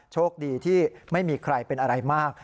โชคดีที่ไม่มีใครเป็นอะไรมาก